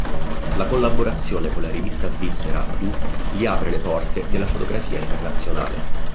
La collaborazione con la rivista svizzera "du" gli apre le porte della fotografia internazionale.